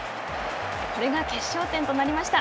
これが決勝点となりました。